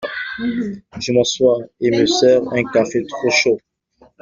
Je m’assois et me sers un café trop chaud.